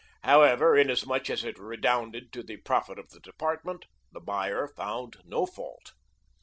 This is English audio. However, inasmuch as it redounded to the profit of the department, the buyer found no fault.